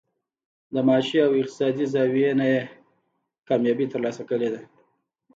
د معاشي او اقتصادي زاويې نه ئې کاميابي تر لاسه کړې ده